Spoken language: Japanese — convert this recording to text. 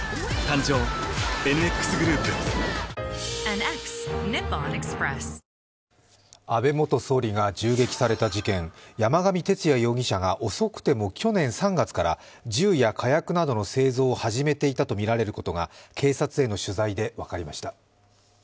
新発売安倍元総理が銃撃された事件、山上徹也容疑者が遅くても去年３月から、銃や火薬などの製造を始めていたとみられることが警察への取材で分かりました。